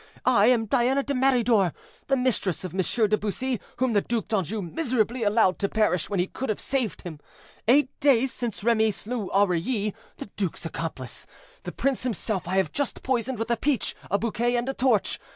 I am Diana de Meridor, the mistress of Monsieur de Bussy, whom the Duc d'Anjou miserably allowed to perish when he could have saved him. Eight days since Remy slew Aurilly, the duke's accomplice, and the prince himself I have just poisoned with a peach, a bouquet, and a torch.